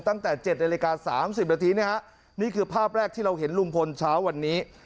ตั้งแต่เจ็ดในรายการสามสิบนาทีนะฮะนี่คือภาพแรกที่เราเห็นลุงพลเช้าวันนี้